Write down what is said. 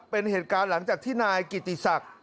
เป็นเหตุการณ์หลังจากที่นายกิติศักดิ์